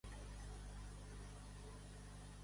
S'estén per tot el Mediterrani fins a Canàries.